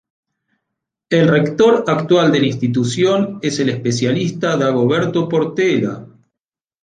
El rector actual de la Institución es el Especialista Dagoberto Portela.